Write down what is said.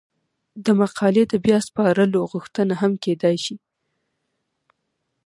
د مقالې د بیا سپارلو غوښتنه هم کیدای شي.